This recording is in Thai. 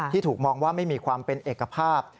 ถูกมองว่าไม่มีความเป็นเอกภาพ